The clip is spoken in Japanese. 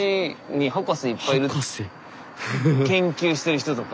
研究してる人とか。